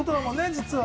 実は。